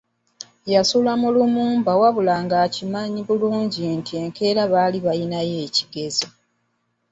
Yasula mu Lumumba wabula ng’akimanyi bulungi nti enkeera baali balinayo ekigezo.